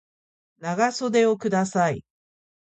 長袖をください